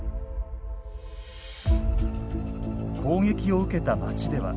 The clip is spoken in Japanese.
攻撃を受けた町では。